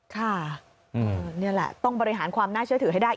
ค่ะนี่แหละต้องบริหารความน่าเชื่อถือให้ได้